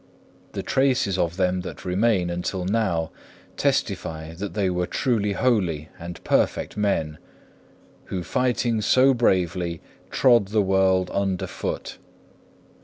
The traces of them that remain until now testify that they were truly holy and perfect men, who fighting so bravely trod the world underfoot.